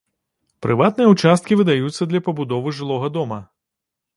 Прыватныя ўчасткі выдаюцца для пабудовы жылога дома.